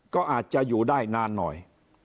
ก็อาจจะอยู่ได้นานหน่อย